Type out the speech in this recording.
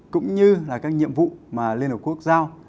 cũng như là các nhiệm vụ mà liên hợp quốc giao